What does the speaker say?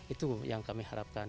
itu yang kami harapkan